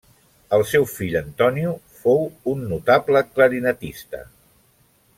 El seu fill Antonio, fou un notable clarinetista.